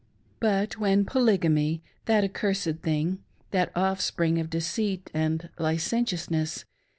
But when Polygamy — that accursed thing ! that offspring of deceit and licentiousness